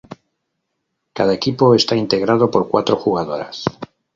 Cada equipo está integrado por cuatro jugadoras.